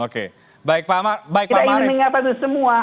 kita ingin mengingatkan itu semua